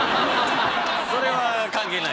それは関係ない。